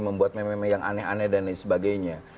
membuat meme meme yang aneh aneh dan lain sebagainya